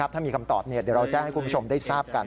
ถ้ามีคำตอบเดี๋ยวเราแจ้งให้คุณผู้ชมได้ทราบกัน